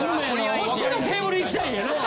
こっちのテーブル行きたいんやな。